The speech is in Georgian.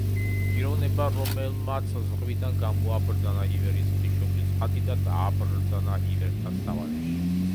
პიროვნება რომელმაც ზღვიდან გამოაბრძანა ივერიის ღვთისმშობლის ხატი და დააბრძანა ივერთა სავანეში.